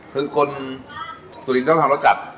คือคนสุรินทร์ต้องทำรสจัด